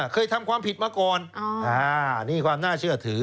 เคยทำความผิดมาก่อนนี่ความน่าเชื่อถือ